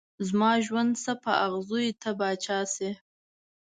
زما ژوند شه په اغزيو ته پاچا شې